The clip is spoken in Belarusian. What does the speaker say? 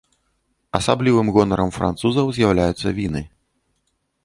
Асаблівым гонарам французаў з'яўляюцца віны.